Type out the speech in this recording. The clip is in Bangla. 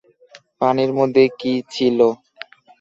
পানির মধ্যে কি ছিল?